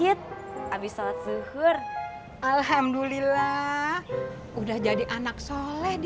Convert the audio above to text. itu bukan kumpulan beli